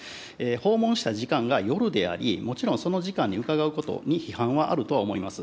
訪問した時間が夜であり、もちろんその時間に伺うことに批判はあるとは思います。